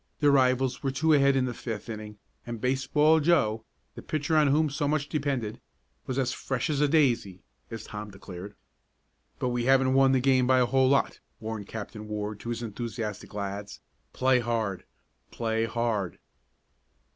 Their rivals were two ahead in the fifth inning and Baseball Joe, the pitcher on whom so much depended, was "as fresh as a daisy," as Tom declared. "But we haven't won the game by a whole lot!" warned Captain Ward to his enthusiastic lads. "Play hard play hard!"